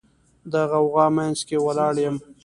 د غوغا منځ کې ولاړ یم